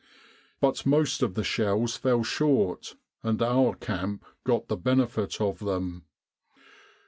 But most of the shells fell short, and our camp got the benefit of them.